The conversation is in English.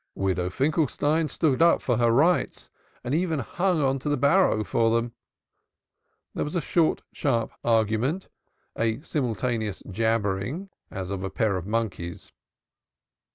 Widow Finkelstein stood up for her rights, and even hung on to the barrow for them. There was a short, sharp argument, a simultaneous jabbering, as of a pair of monkeys.